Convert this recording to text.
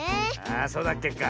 ああそうだっけか。